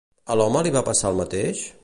A l'home li va passar el mateix?